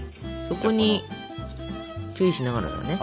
そこに注意しながらだね。